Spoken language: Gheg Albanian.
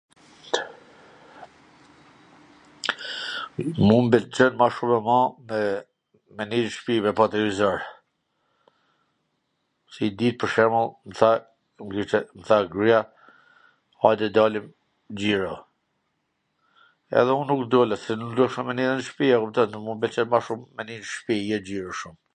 Mu m pwlqen ma shum ama me ndenj n shpi, me pa televizor. Se nj dit pwr shembull mw tha gruaja ajde dalim xhiro, edhe un nuk dola se un dojsha me ndenj n shpi a kupton, se mu m pwlqen ma shum me ndenj n shpi, jo xhiro shum.